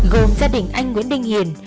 gồm gia đình anh nguyễn đinh hiền